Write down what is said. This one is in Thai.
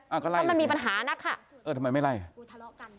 เพราะมันมีปัญหานักค่ะทำไมไม่ไล่